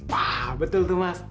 wah betul tuh mas